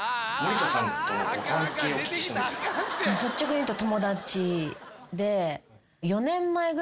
率直に言うと。